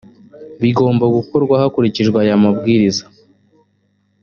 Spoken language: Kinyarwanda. bigomba gukorwa hakurikijwe aya mabwiriza